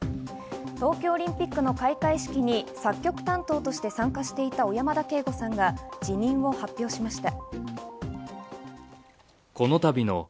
東京オリンピックの開会式に作曲担当として参加していた小山田圭吾さんが辞任を発表しました。